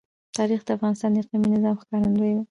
تاریخ د افغانستان د اقلیمي نظام ښکارندوی ده.